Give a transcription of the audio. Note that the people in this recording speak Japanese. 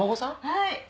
はい。